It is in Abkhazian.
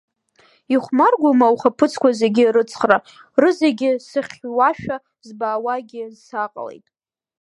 Ихәмаргоума ухаԥыцқәа зегьы рыҵхра, рызегьы сыхьуашәа збауагьы сааҟалеит.